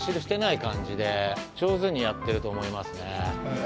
上手にやってると思いますね。